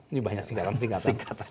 ini banyak singkatan singkatan